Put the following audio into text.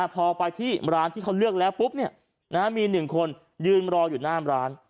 พอไปที่ร้านที่เขาเลือกแล้วปุ๊บมี๑คนยืนรออยู่หน้าร้าน